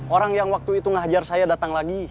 orang yang waktu itu ngajar saya datang lagi